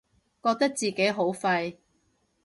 覺得自己好廢